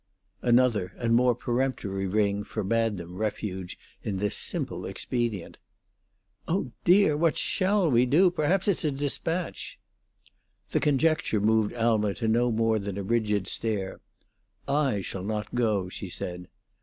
Another and more peremptory ring forbade them refuge in this simple expedient. "Oh, dear! what shall we do? Perhaps it's a despatch." The conjecture moved Alma to no more than a rigid stare. "I shall not go," she said.